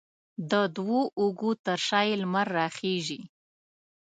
د دوو اوږو تر شا یې لمر راخیژي